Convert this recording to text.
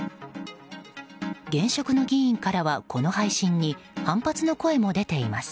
現職の議員からは、この配信に反発の声も出ています。